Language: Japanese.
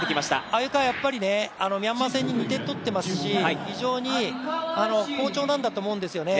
鮎川はやっぱりミャンマー戦で２点取ってますし非常に、好調なんだと思うんですよね。